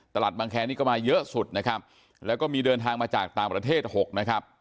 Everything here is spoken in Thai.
บางแคร์นี่ก็มาเยอะสุดนะครับแล้วก็มีเดินทางมาจากต่างประเทศ๖นะครับ